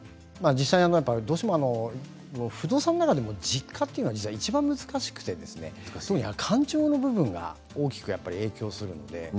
どうしても不動産の中でも実家がいちばん難しくて感情の部分が大きく影響するんですね。